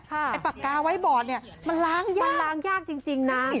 แต่ปากกาไว้บอสมันล้างยากมันล้างยากจริงนะ